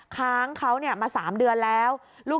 ค้างเขามา๓เดือนแล้ว